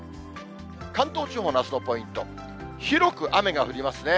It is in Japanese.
関東地方のあすのポイント、広く雨が降りますね。